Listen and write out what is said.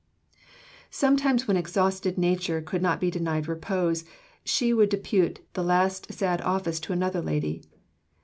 Sometimes when exhausted nature could not be denied repose, she would depute the last sad office to another lady.